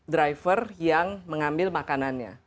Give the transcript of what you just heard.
driver yang mengambil makanannya